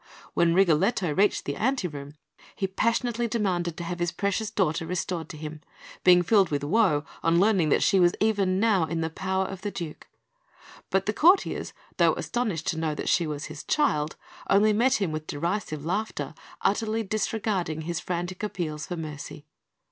When Rigoletto reached the ante room, he passionately demanded to have his precious daughter restored to him, being filled with woe on learning that she was even now in the power of the Duke; but the courtiers, though astonished to know that she was his child, only met him with derisive laughter, utterly disregarding his frantic appeals for mercy.